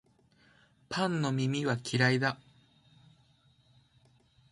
パンの耳は嫌いだ